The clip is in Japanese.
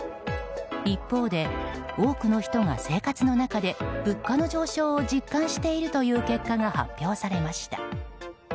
一方で、多くの人が生活の中で物価の上昇を実感しているという結果が発表されました。